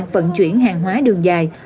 vận chuyển hàng hóa đường dài